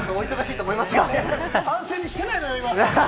安静にしてないのよ、今！